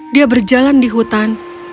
dia berjalan di hutan ketika dia menemukan